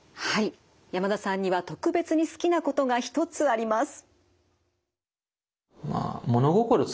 山田さんには特別に好きなことが一つあります。